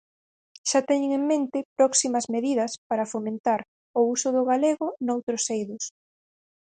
Xa teñen en mente próximas medidas para fomentar o uso do galego noutros eidos.